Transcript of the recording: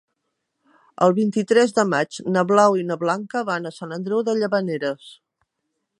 El vint-i-tres de maig na Blau i na Blanca van a Sant Andreu de Llavaneres.